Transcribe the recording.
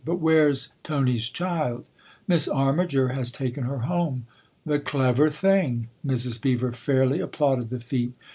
But where's Tony's child ?"" Miss Armiger has taken her home." " The clever thing!" Mrs. Beever fairly applauded the feat.